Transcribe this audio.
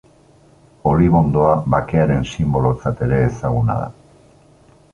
Olibondoa bakearen sinbolotzat ere ezaguna da.